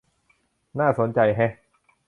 น่าสนใจแฮะ